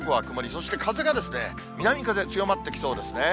そして風が南風、強まってきそうですね。